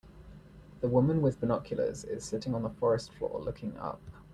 The woman with binoculars is sitting on the forest floor looking up.